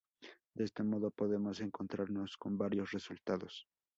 De este modo podemos encontrarnos con varios resultados.